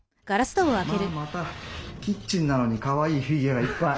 まあまたキッチンなのにかわいいフィギュアがいっぱい！